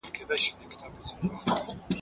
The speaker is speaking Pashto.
د هندي سمندر پر جنوبي ساحل ودروله.